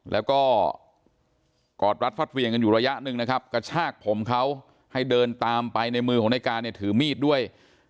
แล้วก็กอดรัดฟัดเวียงกันอยู่ระยะหนึ่งนะครับกระชากผมเขาให้เดินตามไปในมือของในการเนี่ยถือมีดด้วย